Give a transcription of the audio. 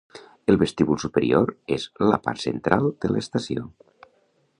El vestíbul superior és la part central de l'estació.